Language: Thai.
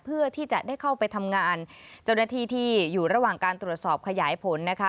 เพื่อที่จะได้เข้าไปทำงานเจ้าหน้าที่ที่อยู่ระหว่างการตรวจสอบขยายผลนะคะ